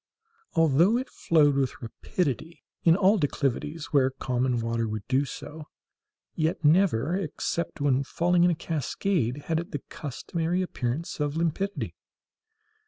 Although it flowed with rapidity in all declivities where common water would do so, yet never, except when falling in a cascade, had it the customary appearance of limpidity.